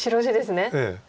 ええ。